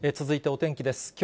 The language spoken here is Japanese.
続いてお天気です。